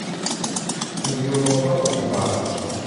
หนึ่งยูโรเท่ากับกี่บาท